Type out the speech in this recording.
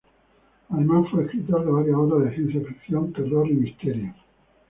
Además fue escritor de varias obras de ciencia ficción, terror y misterio.